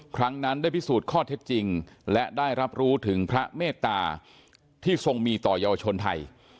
ครั้งนั้นได้พิสูจน์ข้อเท็จจริงและได้รับรู้ถึงพระเมตตาที่ทรงมีต่อเยาวชนไทย